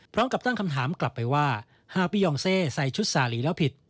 พร้อมกับตั้งคำถามกลับไปว่าหากพี่ยองเซใส่ชุดสาหลีแล้วผิด